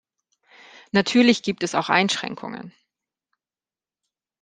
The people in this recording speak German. Natürlich gibt es auch Einschränkungen.